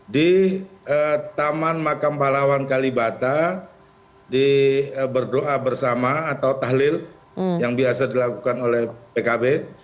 di taman makam pahlawan kalibata berdoa bersama atau tahlil yang biasa dilakukan oleh pkb